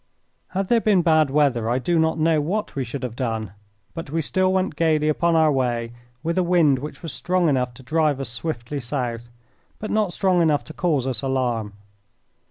Had there been bad weather I do not know what we should have done, but we still went gaily upon our way with a wind which was strong enough to drive us swiftly south, but not strong enough to cause us alarm.